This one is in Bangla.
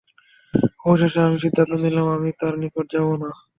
অবশেষে আমি সিদ্ধান্ত নিলাম, আমি তার নিকট যাব না।